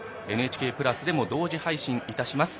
「ＮＨＫプラス」でも同時配信いたします。